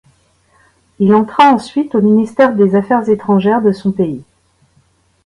Il entra ensuite au ministère des affaires étrangères de son pays.